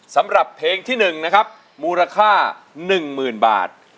สำหรับเพลงที่๗มูรค่า๑๐๐๐๐บาท